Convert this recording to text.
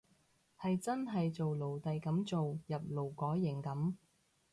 係真係做奴隸噉做，入勞改營噉